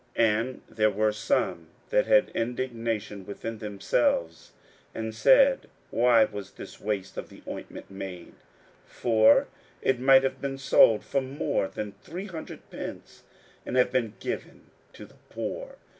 41:014:004 And there were some that had indignation within themselves, and said, Why was this waste of the ointment made? 41:014:005 For it might have been sold for more than three hundred pence, and have been given to the poor.